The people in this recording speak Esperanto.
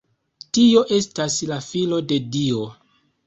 Tio estas la Filo de Dio.